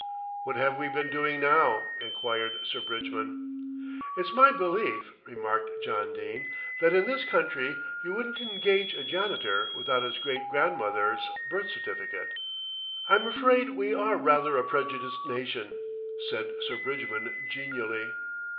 "What have we been doing now?" enquired Sir Bridgman. "It's my belief," remarked John Dene, "that in this country you wouldn't engage a janitor without his great grandmother's birth certificate." "I'm afraid we are rather a prejudiced nation," said Sir Bridgman genially.